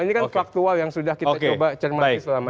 ini kan faktual yang sudah kita coba cermati selama ini